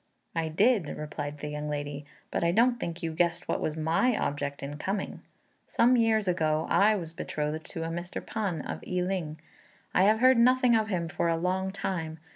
"I did," replied the young lady, "but I don't think you guessed what was my object in coming. Some years ago I was betrothed to a Mr. P'an, of I ling. I have heard nothing of him for a long time.